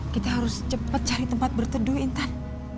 kita harus cepat cari tempat berteduh intan